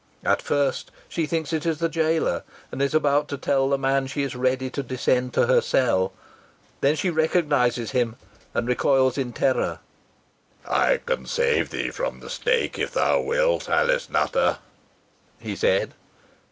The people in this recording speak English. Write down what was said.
At first she thinks it is the jailer, and is about to tell the man she is ready to descend to her cell, when she recognises him, and recoils in terror. "Thou here again!" she cried. "I can save thee from the stake, if thou wilt, Alice Nutter," he said.